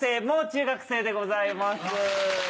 「もう中学生」でございます。